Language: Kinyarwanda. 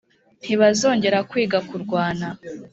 ntibazongera kwiga kurwana